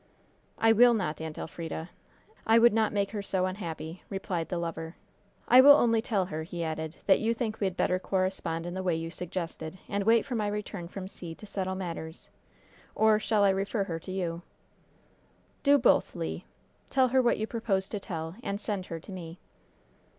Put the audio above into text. "I will not, Aunt Elfrida. I would not make her so unhappy," replied the lover. "I will only tell her," he added, "that you think we had better correspond in the way you suggested, and wait for my return from sea to settle matters; or shall I refer her to you?" "Do both, Le. Tell her what you propose to tell, and send her to me."